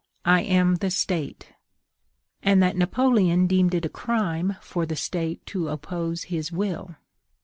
I am the State;" and that Napoleon deemed it a crime for the State to oppose his will.